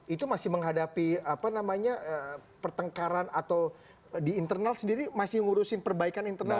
itu masih menghadapi apa namanya pertengkaran atau di internal sendiri masih ngurusin perbaikan internal